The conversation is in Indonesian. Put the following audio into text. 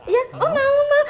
iya oh mau mau mau